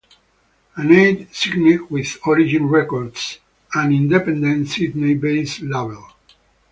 Anaid signed with Origin Records, an independent Sydney-based label.